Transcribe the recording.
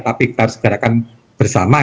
tapi harus gerakan bersama